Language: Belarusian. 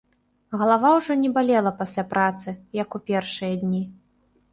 Галава ўжо не балела пасля працы, як у першыя дні.